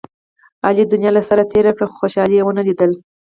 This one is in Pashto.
علي دنیا له سره تېره کړه، خو خوشحالي یې و نه لیدله.